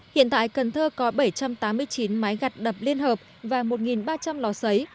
hiện tại cần thơ có bảy trăm tám mươi chín máy gặt đập liên hợp và một ba trăm linh lò xấy